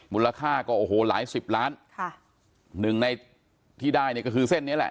มูลค่าก็โอ้โหหลายสิบล้านค่ะหนึ่งในที่ได้เนี่ยก็คือเส้นนี้แหละ